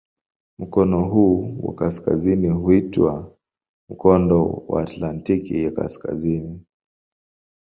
Mkono huu wa kaskazini huitwa "Mkondo wa Atlantiki ya Kaskazini".